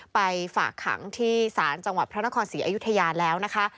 ไปฝากขังที่ศาลจังหวัดพระนครศรีอยุธยาแล้วนะคะ